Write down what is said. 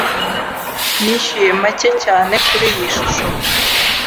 Nishyuye make cyane kuriyi shusho.